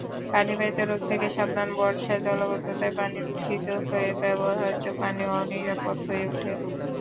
পানিবাহিত রোগ থেকে সাবধানবর্ষায় জলাবদ্ধতায় পানি দূষিত হয়ে ব্যবহার্য পানি অনিরাপদ হয়ে ওঠে।